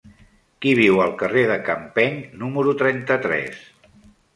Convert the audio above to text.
Qui viu al carrer de Campeny número trenta-tres?